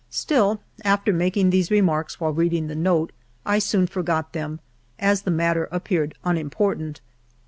Still, after making these remarks while reading the note, I soon forgot them, as the matter appeared un important.